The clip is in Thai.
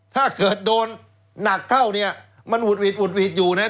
ถ้าเกิดโดนหนักเข้าเนี่ยมันหุดหวีดอยู่นะครับ